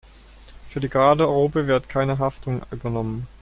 Für die Garderobe wird keine Haftung übernommen.